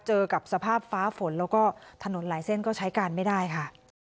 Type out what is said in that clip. เจอกับสภาพฟ้าฝนแล้วก็ถนนหลายเส้นก็ใช้การไม่ได้ค่ะ